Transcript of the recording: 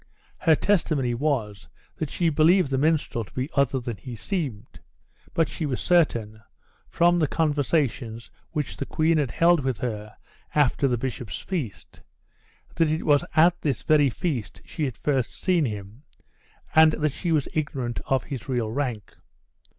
Her testimony was, that she believed the minstrel to be other than he seemed; but she was certain, from the conversations which the queen had held with her after the bishop's feast, that it was at this very feast she had first seen him, and that she was ignorant of his real rank.